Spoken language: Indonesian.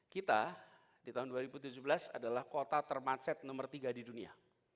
kita di tahun dua ribu tujuh belas adalah kota termacet nomor tiga di dunia